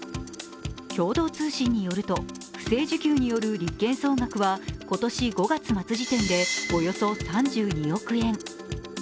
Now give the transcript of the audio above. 共同通信によると不正受給による立件総額は今年５月末時点で、およそ３２億円。